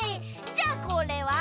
じゃあこれは？